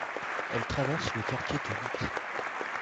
Elle traverse le quartier de Mitte.